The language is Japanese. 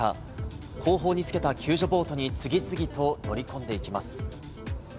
後方につけた救助ボートに次々と乗り込んでいきます。